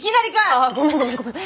あっごめんごめんごめん。